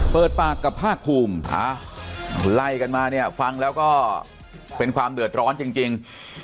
เปิดปากกับภาคภูมิไล่กันมาเนี่ยฟังแล้วก็เป็นความเดือดร้อนจริง